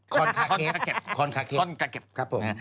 คอนคาเกฟคอนคาเกฟครับผม